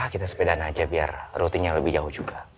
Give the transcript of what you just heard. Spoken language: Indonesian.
kita sepedaan aja biar rutinnya lebih jauh juga